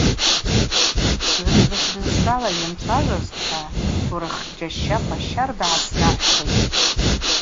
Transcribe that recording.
Гӏвычӏвгӏвыс бызшвала йымчважвазтӏхӏва турых джьащахъва щарда гӏаснахӏвхитӏ.